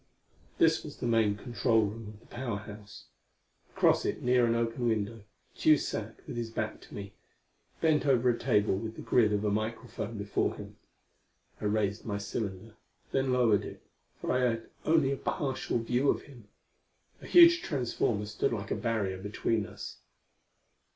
This was the main control room of the Power House. Across it, near an open window, Tugh sat with his back to me, bent over a table with the grid of a microphone before him. I raised my cylinder; then lowered it, for I had only a partial view of him: a huge transformer stood like a barrier between us.